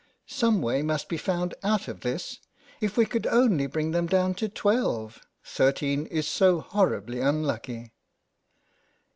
Some way must be found out of this. If we could only bring them down to twelve. Thirteen is so hor ribly unlucky.